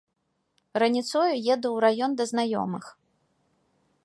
Раніцою еду ў раён да знаёмых.